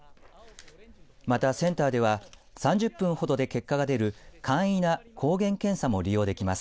また、センターでは３０分ほどで結果が出る簡易な抗原検査も利用できます。